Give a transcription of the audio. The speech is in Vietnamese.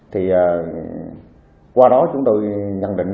thì qua đó chúng tôi nhận định